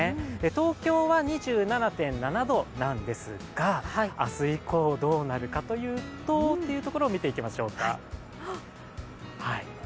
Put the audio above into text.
東京は２７．７度なんですが明日以降、どうなるかというとというところを見ていきましょうか。